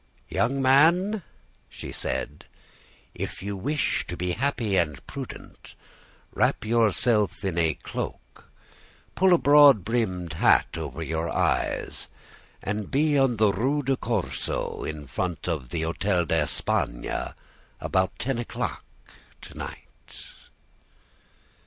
"'Young man,' she said, 'if you wish to be happy, be prudent. Wrap yourself in a cloak, pull a broad brimmed hat over your eyes, and be on the Rue du Corso, in front of the Hotel d'Espagne, about ten o'clock to night.